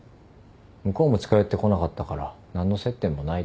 向こうも近寄ってこなかったから何の接点もないです。